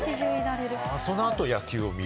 そのあと野球を見る。